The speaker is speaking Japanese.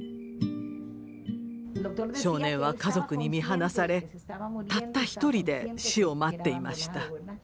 少年は家族に見放されたった一人で死を待っていました。